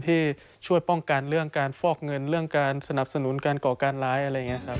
ที่ช่วยป้องกันเรื่องการฟอกเงินเรื่องการสนับสนุนการก่อการร้ายอะไรอย่างนี้ครับ